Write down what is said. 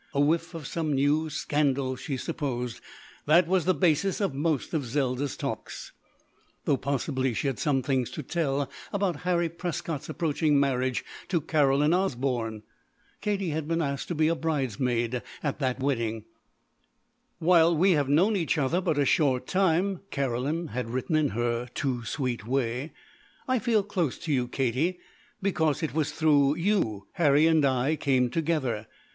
A whiff of some new scandal, she supposed. That was the basis of most of Zelda's "talks." Though possibly she had some things to tell about Harry Prescott's approaching marriage to Caroline Osborne. Katie had been asked to be a bridesmaid at that wedding. "While we have known each other but a short time," Caroline had written in her too sweet way, "I feel close to you, Katie, because it was through you Harry and I came together.